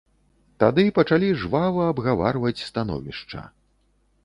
Тады пачалі жвава абгаварваць становішча.